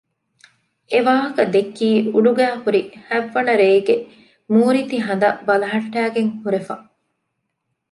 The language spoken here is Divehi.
އެވާހަކަ ދެއްކީ އުޑުގައި ހުރި ހަތްވަނަ ރޭގެ މޫރިތި ހަނދަށް ބަލަހައްޓައިގެން ހުރެފަ